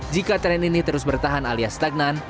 jika tren ini terus bertahan alias stagnan